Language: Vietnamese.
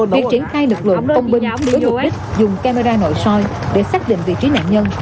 việc triển khai lực lượng công binh đối với mục đích dùng camera nội soi để xác định vị trí nạn nhân